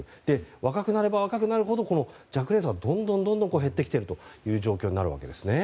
若くなれば若くなるほど若年層がどんどん減ってきているという状況になるわけですね。